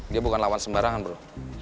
dia bukan lawan sembarangan bro